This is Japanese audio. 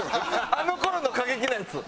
あの頃の過激なヤツ。